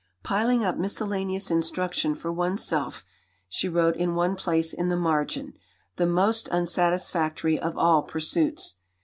"Piling up miscellaneous instruction for oneself," she wrote in one place in the margin; "the most unsatisfactory of all pursuits!"